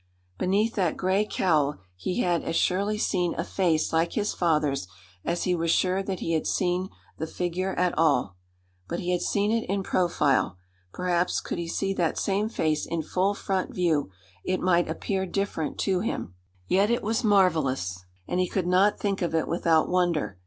Beneath that gray cowl he had as surely seen a face like his father's as he was sure that he had seen the figure at all. But he had seen it in profile. Perhaps could he see that same face in full front view it might appear different to him. Yet, it was marvelous; and he could not think of it without wonder.